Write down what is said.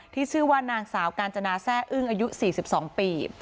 ที่ชื่อว่านางสาวกาญจนาแทร่อึ้งอายุสี่สิบสองปี